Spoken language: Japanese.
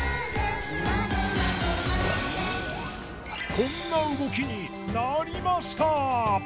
こんな動きになりました！